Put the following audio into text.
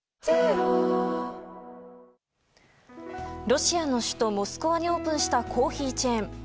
ロシアの首都モスクワにオープンしたコーヒーチェーン。